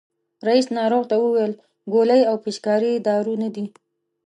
رئیس ناروغ ته وویل ګولۍ او پيچکاري دارو نه دي.